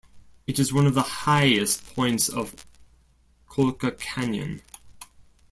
It is one of the highest points of Colca Canyon.